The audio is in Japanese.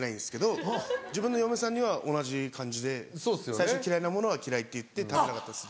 最初嫌いなものは嫌いって言って食べなかったです